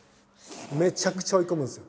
めちゃくちゃ追い込むんですよ。